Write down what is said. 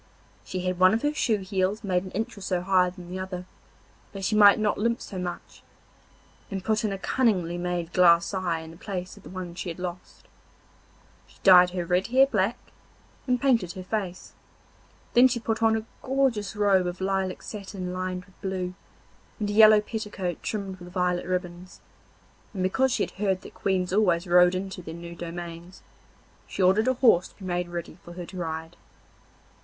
She had one of her shoe heels made an inch or so higher than the other, that she might not limp so much, and put in a cunningly made glass eye in the place of the one she had lost. She dyed her red hair black, and painted her face. Then she put on a gorgeous robe of lilac satin lined with blue, and a yellow petticoat trimmed with violet ribbons, and because she had heard that queens always rode into their new dominions, she ordered a horse to be made ready for her to ride.